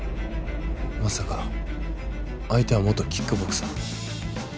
まさか相手は元キックボクサー？